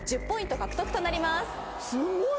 １０ポイント獲得となります。